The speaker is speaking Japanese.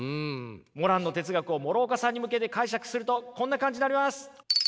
モランの哲学を諸岡さんに向けて解釈するとこんな感じになります。